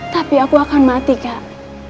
tapi aku akan mati kak